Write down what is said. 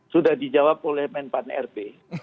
sudah dijawab oleh men pan r b